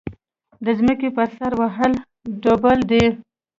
د ځمکې پر سر وهل ډبول دي.